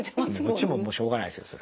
こっちもしょうがないですよそれは。